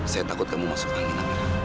saya takut kamu masuk angin